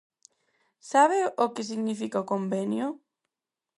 ¿Sabe o que significa o convenio?